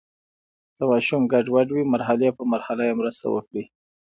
که ماشوم ګډوډ وي، مرحلې په مرحله یې مرسته وکړئ.